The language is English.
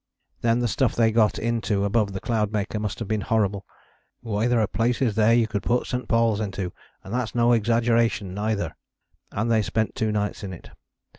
"Then the stuff they got into above the Cloudmaker must have been horrible. 'Why, there are places there you could put St. Paul's into, and that's no exaggeration, neither,' and they spent two nights in it.